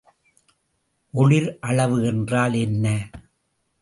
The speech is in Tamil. ஒளிர் அளவு என்றால் என்ன?